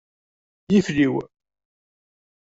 Yifliw.